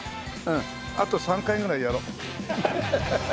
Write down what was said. あと３回ぐらいやろう。